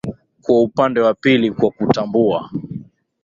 kwa upande wa pili kwa kutambua